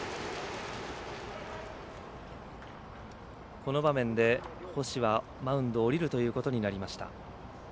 この場面で、星はマウンドを降りるということになりました。